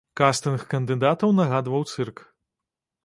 Кастынг кандыдатаў нагадваў цырк.